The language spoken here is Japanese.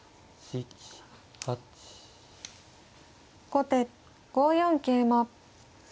後手５四桂馬。